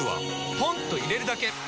ポンと入れるだけ！